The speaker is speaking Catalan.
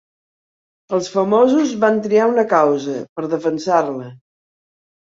Els famosos van triar una causa, per defensar-la.